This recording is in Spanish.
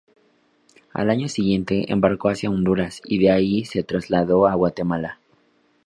Al año siguiente, embarcó hacia Honduras, y de ahí se trasladó a Guatemala.